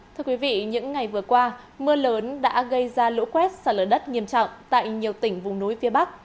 thưa quý vị những ngày vừa qua mưa lớn đã gây ra lũ quét xả lở đất nghiêm trọng tại nhiều tỉnh vùng núi phía bắc